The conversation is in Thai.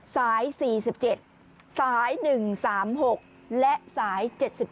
สาย๔๗สาย๑๓๖และสาย๗๒